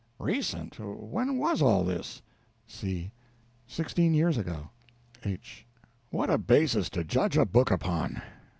Recent? When was all this? C. Sixteen years ago. H. What a basis to judge a book upon!